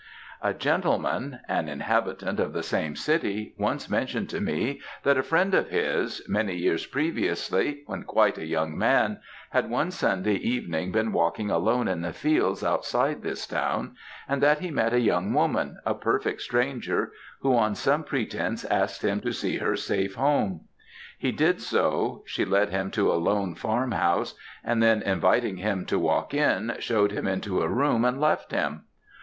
"A gentleman, an inhabitant of the same city, once mentioned to me that a friend of his, many years previously, when quite a young man, had one Sunday evening been walking alone in the fields outside this town; and that he met a young woman, a perfect stranger, who, on some pretence asked him to see her safe home. He did so; she led him to a lone farm house, and then inviting him to walk in, shewed him into a room and left him.